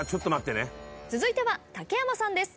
続いては竹山さんです。